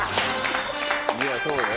いやそうね。